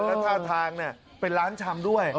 แล้วท่าทางเป็นร้านชำด้วย